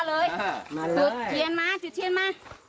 เหมือนกันนะ